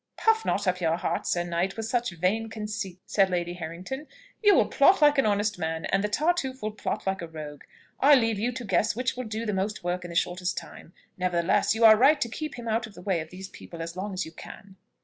"Puff not up your heart, Sir Knight, with such vain conceits," said Lady Harrington. "You will plot like an honest man, and the Tartuffe will plot like a rogue. I leave you to guess which will do the most work in the shortest time. Nevertheless, you are right to keep him out of the way of these people as long as you can."